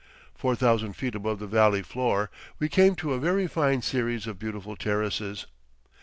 Four thousand feet above the valley floor we came to a very fine series of beautiful terraces.